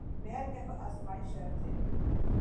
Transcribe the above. بہرکیف آزمائش شرط ہے ۔